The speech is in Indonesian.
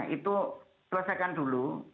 itu selesaikan dulu